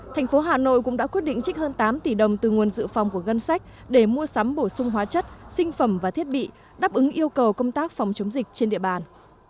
thành phố hà nội cũng đã quyết định trích hơn tám tỷ đồng từ nguồn dự phòng của ngân sách để mua sắm bổ sung hóa chất sinh phẩm và thiết bị đáp ứng yêu cầu công tác phòng chống dịch trên địa bàn